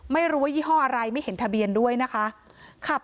ไม่รู้ว่ายี่ห้ออะไรไม่เห็นทะเบียนด้วยนะคะ